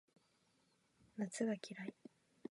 夏が嫌い